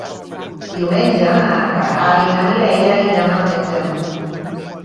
Diumenge na Queralt i na Mireia iran al metge.